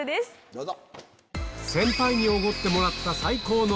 どうぞ。